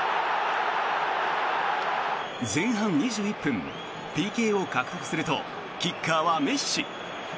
前半２１分、ＰＫを獲得するとキッカーはメッシ。